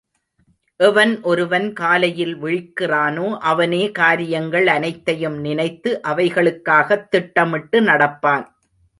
எவன் ஒருவன் காலையில் விழிக்கிறானோ, அவனே காரியங்கள் அனைத்தையும் நினைத்து, அவைகளுக்காகத் திட்டமிட்டு நடப்பான்.